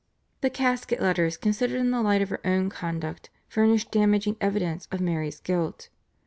The Casket Letters considered in the light of her own conduct furnished damaging evidence of Mary's guilt.